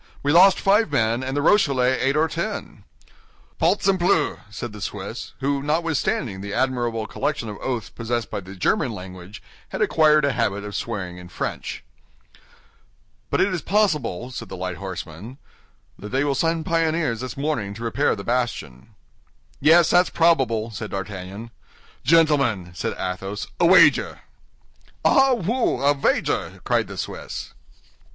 We lost five men, and the Rochellais eight or ten." "Balzempleu!" said the Swiss, who, notwithstanding the admirable collection of oaths possessed by the German language, had acquired a habit of swearing in French. "But it is probable," said the light horseman, "that they will send pioneers this morning to repair the bastion." "Yes, that's probable," said D'Artagnan. "Gentlemen," said Athos, "a wager!" "Ah, wooi, a vager!" cried the Swiss.